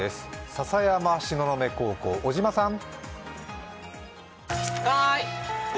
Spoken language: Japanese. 篠山東雲高校、小島さん。